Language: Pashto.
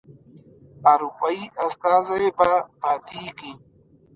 اروپایي استازی به پاتیږي.